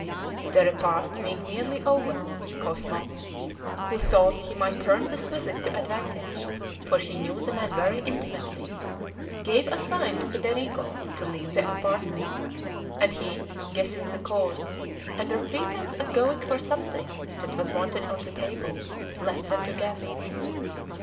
The repast being nearly over, Cosmo, who thought he might turn this visit to advantage, for he knew the man very intimately, gave a sign to Federigo to leave the apartment, and he, guessing the cause, under pretense of going for something that was wanted on the table, left them together.